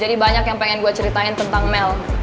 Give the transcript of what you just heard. jadi banyak yang pengen gue ceritain tentang mel